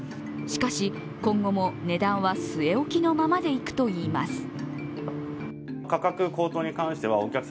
しかし、今後も値段は据え置きのままでいくといいます。